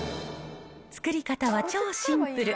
作り方は超シンプル。